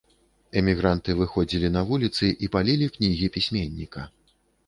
Эмігранты выходзілі на вуліцы і палілі кнігі пісьменніка.